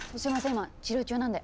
今治療中なんで。